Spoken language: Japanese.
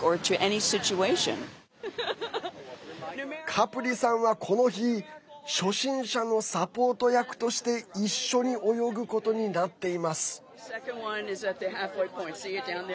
カプリさんは、この日初心者のサポート役として一緒に泳ぐことになっています。